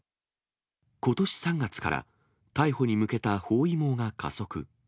ことし３月から逮捕に向けた包囲網が加速。